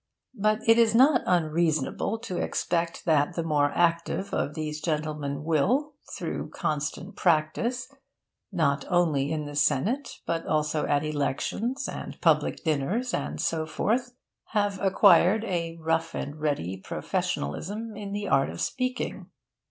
But it is not unreasonable to expect that the more active of these gentlemen will, through constant practice, not only in the senate, but also at elections and public dinners and so forth, have acquired a rough and ready professionalism in the art of speaking.